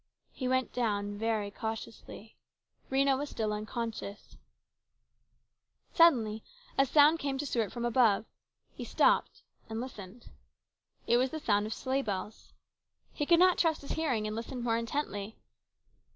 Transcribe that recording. He went down very cautiously. Rhena was still unconscious. 192 HIS BROTHER'S KEEPER. Suddenly a sound came to Stuart from above. He stopped and listened. It was the sound of sleigh bells. He could not trust his hearing, and listened more intently.